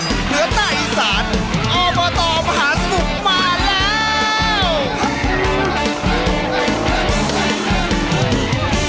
เหนือใต้อีสานอบตมหาสนุกมาแล้ว